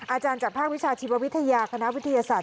อาจารย์จากภาควิชาชีววิทยาคณะวิทยาศาสต